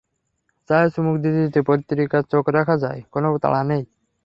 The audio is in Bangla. চায়ে চুমুক দিতে দিতে পত্রিকায় চোখ রাখা যায়, কোনো তাড়া নেই।